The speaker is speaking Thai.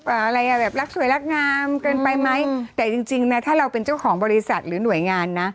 อะไรอ่ะแบบรักสวยรักงามเกินไปไหมแต่จริงจริงนะถ้าเราเป็นเจ้าของบริษัทหรือหน่วยงานนะ